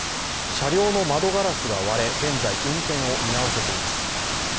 車両の窓ガラスが割れ、現在、運転を見合わせています。